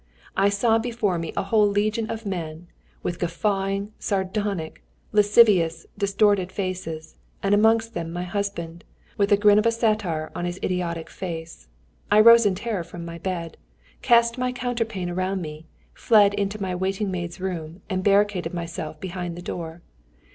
I saw before me a whole legion of them, with guffawing, sardonic, lascivious, distorted faces, and amongst them my husband, with the grin of a satyr on his idiotic face. I rose in terror from my bed, cast my counterpane around me, fled into my waiting maid's room, and barricaded myself behind the door.